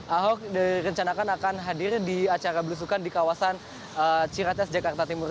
ahok direncanakan akan hadir di acara belusukan di kawasan ciracas jakarta timur